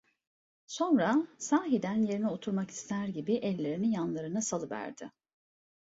Sonra, sahiden yerine oturmak ister gibi ellerini yanlarına salıverdi.